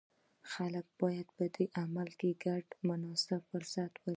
خلک باید په دې عمل کې د ګډون مناسب فرصت ولري.